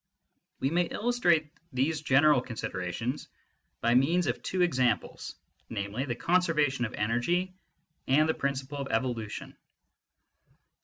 \ j JJT?U ff/V$ \A We may illustrate these general considerations by means of two examples, namely, the conservation of energy and the principle of evolution.